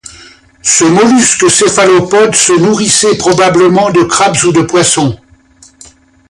Ce mollusque céphalopode se nourrissait probablement de crabes ou de poissons.